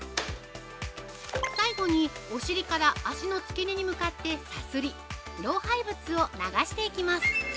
最後に、お尻から脚のつけ根に向かってさすり老廃物を流していきます。